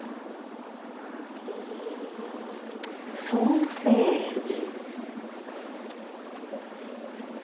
ソーセージ。